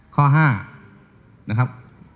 ข้อ๕นะครับ